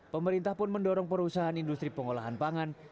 pemerintah pun mendorong perusahaan industri pengolahan pangan